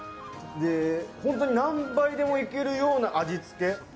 本当に何杯でもいけるような味付け。